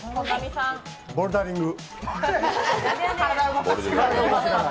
ボルダリング。